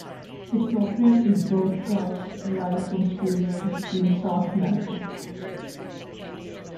The programme is broadcast live from studios in Southampton.